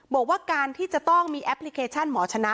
บอกว่าการที่จะต้องมีแอปพลิเคชันหมอชนะ